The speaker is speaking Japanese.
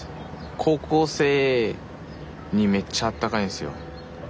高校生にめっちゃ温かいんすよ。